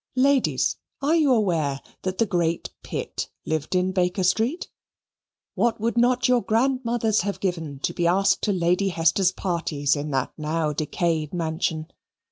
Ladies, are you aware that the great Pitt lived in Baker Street? What would not your grandmothers have given to be asked to Lady Hester's parties in that now decayed mansion?